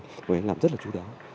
các anh làm rất là chú đáo